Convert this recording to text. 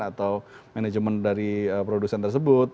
atau manajemen dari produsen tersebut